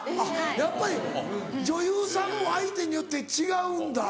やっぱり女優さんも相手によって違うんだ。